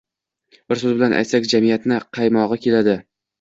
Bir so‘z bilan aytsak, jamiyatni qaymog‘i keladi.